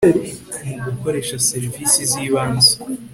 mugukoresha serivisi zi banze